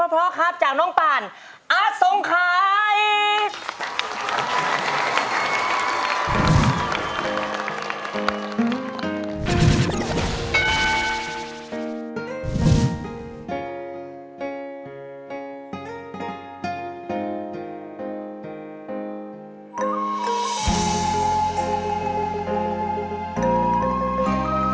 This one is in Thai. แม้จะเหนื่อยหล่อยเล่มลงไปล้องลอยผ่านไปถึงเธอ